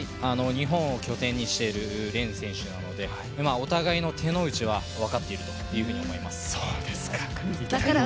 日本を拠点にしている連選手なので、お互いの手の内は分かっているというふうに思います。